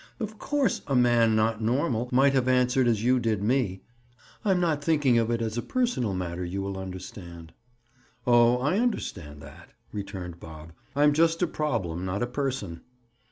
Of course, a man not normal, might have answered as you did me (I'm not thinking of it as a personal matter, you will understand)." "Oh, I understand that," returned Bob. "I'm just a problem, not a person."